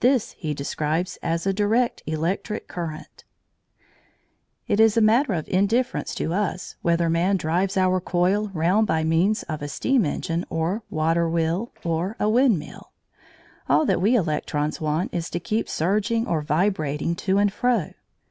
This he describes as a direct electric current. It is a matter of indifference to us whether man drives our coil round by means of a steam engine, a water wheel, or a wind mill; all that we electrons want is to be kept surging or vibrating to and fro.